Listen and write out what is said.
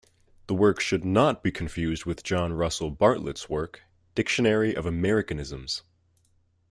The work should not be confused with John Russell Bartlett's work, "Dictionary of Americanisms"